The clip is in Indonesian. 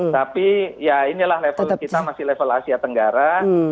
tapi ya inilah level kita masih level asia tenggara